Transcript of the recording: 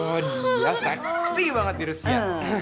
oh dia seksi banget di rusia